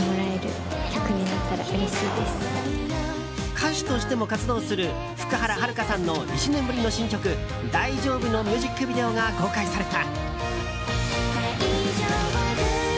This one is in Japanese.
歌手としても活動する福原遥さんの１年ぶりの新曲「大丈夫」のミュージックビデオが公開された。